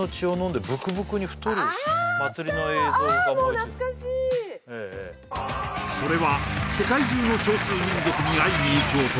もう懐かしいそれは世界中の少数民族に会いにいく男